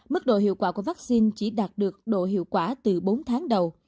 mức độ hiệu quả của vaccine chỉ đạt được độ hiệu quả từ bốn tháng đầu